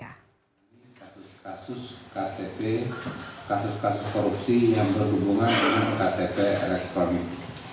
ini kasus kasus ktp kasus kasus korupsi yang berhubungan dengan ktp elektronik